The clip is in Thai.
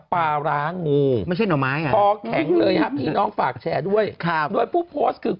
ปลาร้างงูพอแข็งเลยครับพี่น้องฝากแชร์ด้วยโดยผู้โพสต์คือ